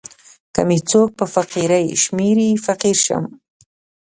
که می څوک په فقیری شمېري فقیر سم.